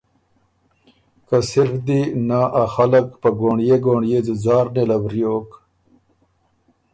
که صِرف دی نۀ ا خلق په ګونړيې ګونړيې ځُځار نېله وریوک